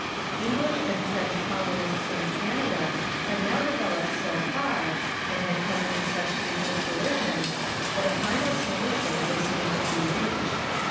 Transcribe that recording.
English and French colonists in Canada had now developed so far, and had come into such frequent collision, that a final solution was soon to be reached.